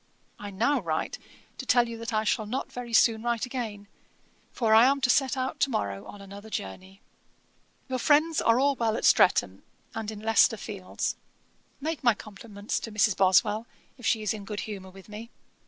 I now write to tell you that I shall not very soon write again, for I am to set out to morrow on another journey. 'Your friends are all well at Streatham, and in Leicester fields. Make my compliments to Mrs. Boswell, if she is in good humour with me.